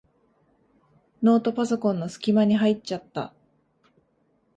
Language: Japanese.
ノートパソコンのすき間に入っちゃった。